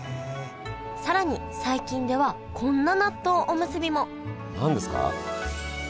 更に最近ではこんな納豆おむすびも何ですか？